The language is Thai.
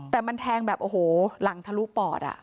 แต่มันแทงแบบโอ้โหหลังทะลุปอด